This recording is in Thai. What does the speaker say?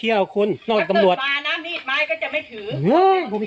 คุณอยู่ที่ไหนต้องมาทำลายทรัพย์สินวัตร